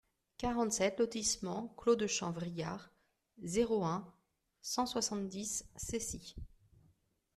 quarante-sept lotissement Clos de Champ-Vrillard, zéro un, cent soixante-dix Cessy